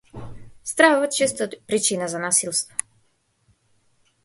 Стравот често е причина за насилство.